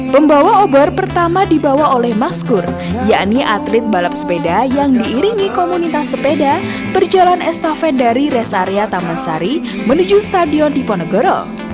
pembawa obor pertama dibawa oleh maskur yakni atlet balap sepeda yang diiringi komunitas sepeda berjalan estafet dari resaria tamansari menuju stadion diponegoro